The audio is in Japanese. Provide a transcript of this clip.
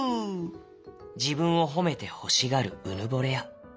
じぶんをほめてほしがるうぬぼれや。